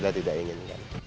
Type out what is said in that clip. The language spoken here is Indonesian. sudah tidak ingin